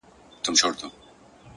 پوه انسان د پوښتنو قدر کوي!.